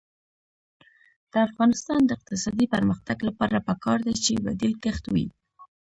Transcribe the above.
د افغانستان د اقتصادي پرمختګ لپاره پکار ده چې بدیل کښت وي.